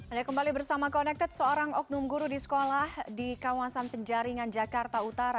anda kembali bersama connected seorang oknum guru di sekolah di kawasan penjaringan jakarta utara